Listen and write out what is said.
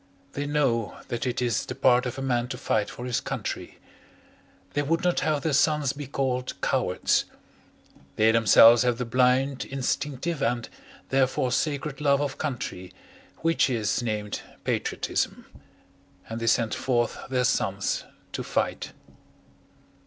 They know that it is the part of a man to fight for his country. They would not have their sons be called cowards. They themselves have the blind, instinctive, and therefore sacred love of country, which is named patriotism and they send forth their sons to fight.